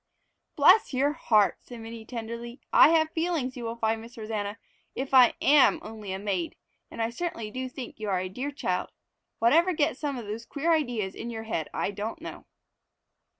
"Bless your heart!" said Minnie tenderly. "I have feelings, you will find, Miss Rosanna, if I am only a maid, and I certainly do think you are a dear child. Whatever gets some of the queer ideas in your head I don't know!"